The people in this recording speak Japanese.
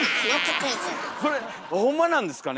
それほんまなんですかね？